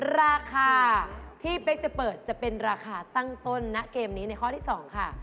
ราคาที่เป๊กจะเปิดจะเป็นราคาตั้งต้นณเกมนี้ในข้อที่๒ค่ะ